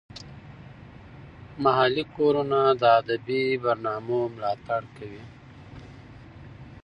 محلي کورونه د ادبي برنامو ملاتړ کوي.